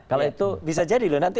kalau itu bisa jadi loh nanti